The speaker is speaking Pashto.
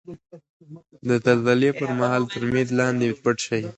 د زلزلې پر مهال تر میز لاندې پټ شئ.